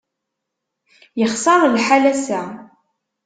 Yexṣer lḥal ass-a.